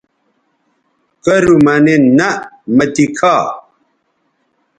کرو مہ نِن نہ مہ تی کھا